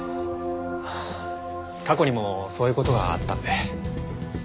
過去にもそういう事があったんで。